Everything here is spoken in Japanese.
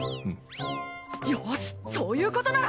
よしそういうことなら！